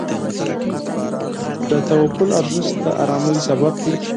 د توکل ارزښت د آرامۍ سبب دی.